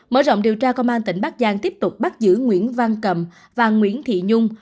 mở rộng điều tra công an tỉnh bắc giang tiếp tục bắt giữ nguyễn văn cầm và nguyễn thị nhung